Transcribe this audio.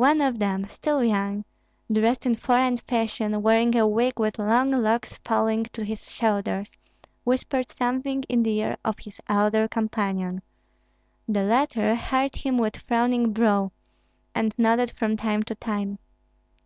One of them, still young, dressed in foreign fashion, wearing a wig with long locks falling to his shoulders, whispered something in the ear of his elder companion; the latter heard him with frowning brow, and nodded from time to time.